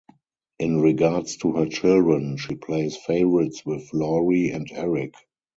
In regards to her children, she plays favorites with Laurie and Eric.